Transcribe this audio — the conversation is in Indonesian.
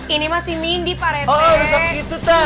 ini masih mindi pak retek